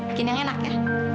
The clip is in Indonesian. begini yang enak ya